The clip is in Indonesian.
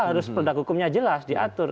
harus produk hukumnya jelas diatur